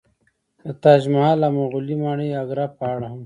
د تاج محل او مغولي ماڼۍ اګره په اړه هم